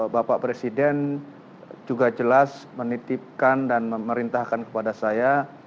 bapak presiden juga jelas menitipkan dan memerintahkan kepada saya